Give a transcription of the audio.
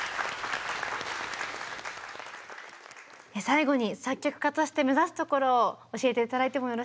最後に作曲家として目指すところを教えて頂いてもよろしいでしょうか？